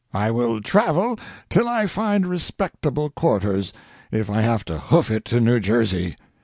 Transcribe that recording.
I will travel till I find respectable quarters, if I have to hoof it to New Jersey.